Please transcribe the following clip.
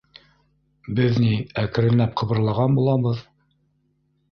— Беҙ ни әкренләп ҡыбырлаған булабыҙ.